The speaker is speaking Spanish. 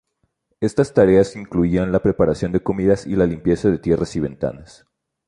Estas tareas incluían la preparación de comidas y la limpieza de tierras y ventanas.